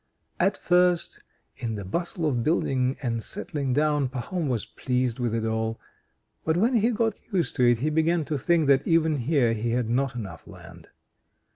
At first, in the bustle of building and settling down, Pahom was pleased with it all, but when he got used to it he began to think that even here he had not enough land.